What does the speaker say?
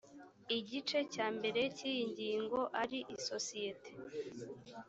igice cya mbere cy’iyi ngingo ari isosiyete,